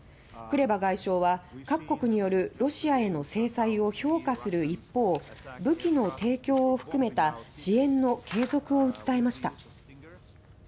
クレバ外相は各国によるロシアへの制裁を評価する一方武器の提供を含めた支援の継続を訴えました。